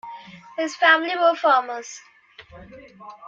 His family were farmers.